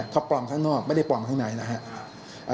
เขาปลอมข้างนอกไม่ได้ปลอมข้างในนะครับ